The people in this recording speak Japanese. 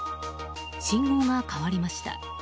信号が変わりました。